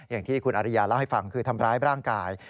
อย่างที่คุณอริยาเล่าให้ฟังคือทำร้ายร่างกาย